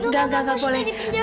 gak gak gak boleh